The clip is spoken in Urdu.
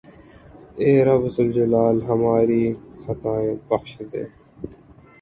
اے رب ذوالجلال ھماری خطائیں بخش دے